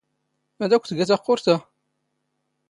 ⵎⴰⴷ ⴰⴽⴽⵯ ⵜⴳⴰ ⵜⴰⵇⵇⵓⵔⵜ ⴰ?